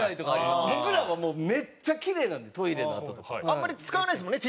僕らはめっちゃキレイなんでトイレのあととか。あんまり使わないですもんね